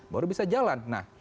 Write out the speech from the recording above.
baru bisa jalan